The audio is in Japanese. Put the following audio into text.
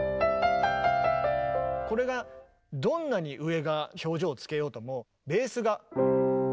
これがどんなに上が表情をつけようともベースが。